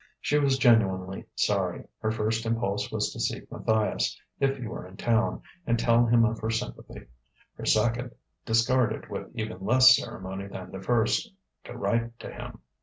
She was genuinely sorry. Her first impulse was to seek Matthias, if he were in town, and tell him of her sympathy; her second (discarded with even less ceremony than the first) to write to him.